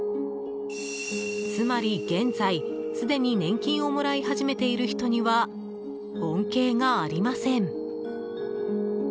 つまり現在、すでに年金をもらい始めている人には恩恵がありません。